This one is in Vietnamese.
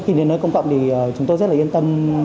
khi đến nơi công cộng thì chúng tôi rất là yên tâm